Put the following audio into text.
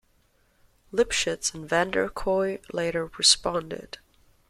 Lipshitz and Vanderkooy later responded.